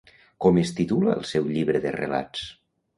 Com es titula el seu llibre de relats?